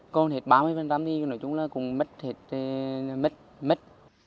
còn hết ba mươi thì nói chung là cũng mất hết mứt